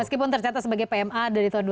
meskipun tercatat sebagai pma dari tahun dua ribu